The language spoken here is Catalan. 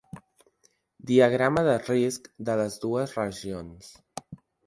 Diagrama de risc de les dues regions.